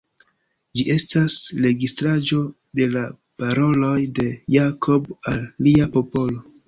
Ĝi estas registraĵo de la paroloj de Jakob al lia popolo.